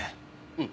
うん。